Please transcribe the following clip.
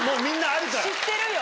知ってるよ。